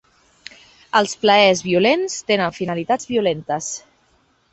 Els plaers violents tenen finalitats violentes